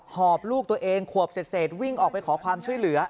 หอบลูกตัวเองขวบเศษวิ่งออกไปขอความช่วยเหลือ